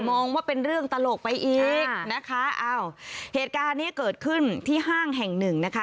มองว่าเป็นเรื่องตลกไปอีกนะคะอ้าวเหตุการณ์นี้เกิดขึ้นที่ห้างแห่งหนึ่งนะคะ